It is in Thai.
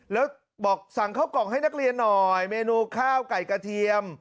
แล้วบอกสั่งข้าวกล่องให้นักเรียนหน่อยเมนูข้าวไก่กระเทียม